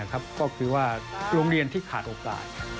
ก็คือว่าโรงเรียนที่ขาดโอกาส